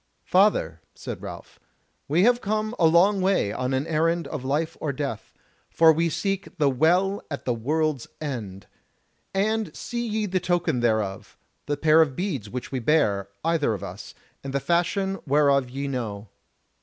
"Father," said Ralph, "we have come a long way on an errand of life or death; for we seek the WELL at the WORLD'S END. And see ye the token thereof, the pair of beads which we bear, either of us, and the fashion whereof ye know."